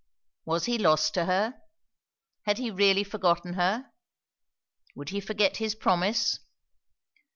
Was he lost to her? Had he really forgotten her? would he forget his promise?